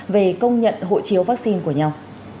về công nhận hộ chiếu vaccine của nhau